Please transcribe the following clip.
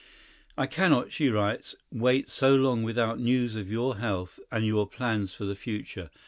… "I cannot," she writes, "wait so long without news of your health and your plans for the future.